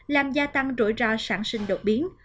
làm gia tăng rủi ro sản sinh đột biến